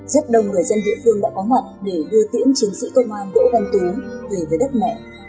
rất đông người dân địa phương đã có mặt để đưa tiễn chiến sĩ công an đỗ văn tú về với đất mẹ